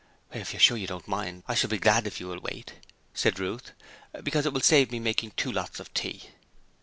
'If you're sure you don't mind, I shall be glad if you will wait,' said Ruth, 'because it will save me making two lots of tea.'